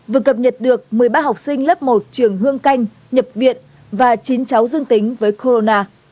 vừa cập nhật được một mươi ba học sinh lớp một trường hương canh nhập viện và chín cháu dương tính với corona